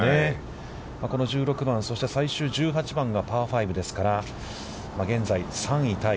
この１６番、そして最終１８番がパー５ですから、現在、３位タイ。